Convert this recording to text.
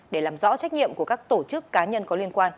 để làm rõ trách nhiệm của các tổ chức